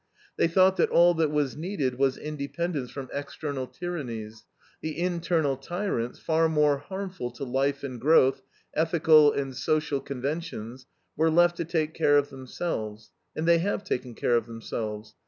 They thought that all that was needed was independence from external tyrannies; the internal tyrants, far more harmful to life and growth ethical and social conventions were left to take care of themselves; and they have taken care of themselves.